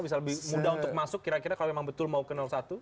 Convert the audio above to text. bisa lebih mudah untuk masuk kira kira kalau memang betul mau ke satu